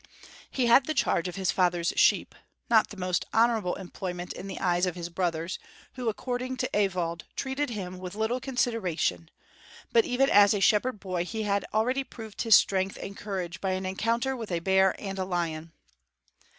He had the charge of his father's sheep, not the most honorable employment in the eyes of his brothers, who, according to Ewald, treated him with little consideration; but even as a shepherd boy he had already proved his strength and courage by an encounter with a bear and a lion.